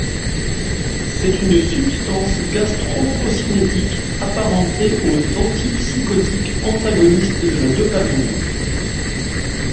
C'est une substance gastroprocinétique apparentée aux antipsychotiques, antagonistes de la dopamine.